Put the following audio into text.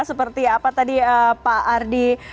seperti apa tadi pak ardi